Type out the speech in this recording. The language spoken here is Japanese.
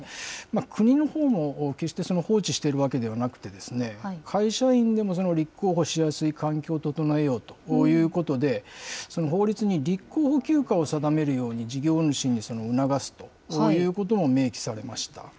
国のほうも決して放置しているわけではなくて、会社員でも立候補しやすい環境を整えようということで、法律に立候補休暇を定めるように、事業主に促すということも明記されました。